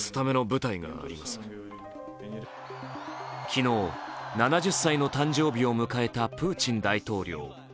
昨日７０歳の誕生日を迎えたプーチン大統領。